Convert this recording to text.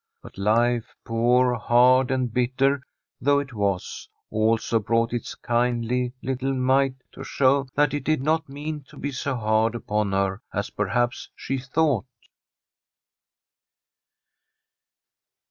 But life, poor, hard, and bitter though it was, also brought its kindly little mite to show that it did not mean to be so hard upon her as perhaps she thought.